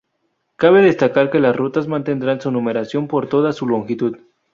Cabe destacar que las rutas mantendrán su numeración por toda su longitud.